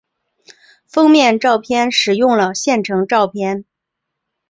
封面照片使用了现成照片。